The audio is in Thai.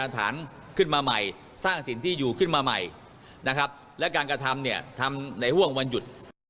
ทำในห่วงวันหยุด